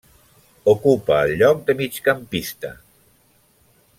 Ocupa el lloc de migcampista.